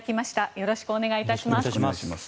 よろしくお願いします。